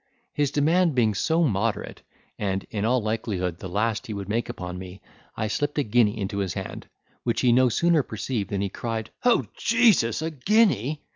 His demand being so moderate, and in all likelihood the last he would make upon me, I slipped a guinea into his hand, which he no sooner perceived, than he cried, "O Jesus, a guinea!"